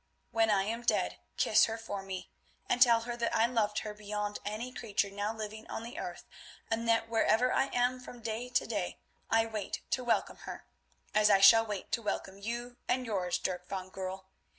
When I am dead, kiss her for me, and tell her that I loved her beyond any creature now living on the earth, and that wherever I am from day to day I wait to welcome her, as I shall wait to welcome you and yours, Dirk van Goorl.